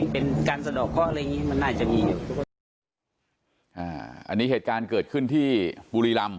เป็นการสะดอกเคาะอะไรอย่างงี้มันน่าจะมีอยู่อ่าอันนี้เหตุการณ์เกิดขึ้นที่บุรีรำ